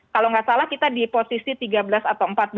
kalau nggak salah kita di posisi tiga belas atau empat belas